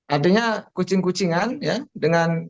artinya kucing kucingan ya dengan